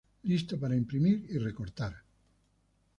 Listo para imprimir y recortar.